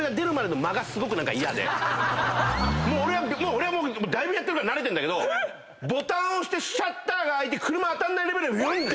俺はだいぶやってるから慣れてんだけどボタン押してシャッター開いて車当たんないレベルでひゅーんって。